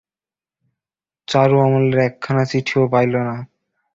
চারু অমলের একখানা চিঠিও পাইল না।